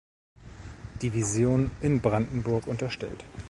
Division in Brandenburg unterstellt.